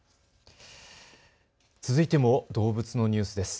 続いても動物のニュースです。